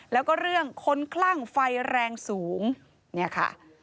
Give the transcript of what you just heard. แล้วก็เรื่องคนคลั่งไฟแรงสูงเนี่ยค่ะ